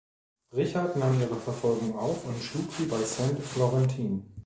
Richard nahm ihre Verfolgung auf und schlug sie bei Saint-Florentin.